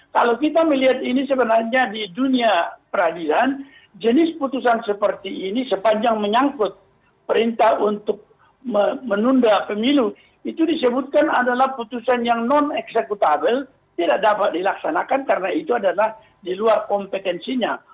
kalau kita melihat ini sebenarnya di dunia peradilan jenis putusan seperti ini sepanjang menyangkut perintah untuk menunda pemilu itu disebutkan adalah putusan yang non eksekutabel tidak dapat dilaksanakan karena itu adalah di luar kompetensinya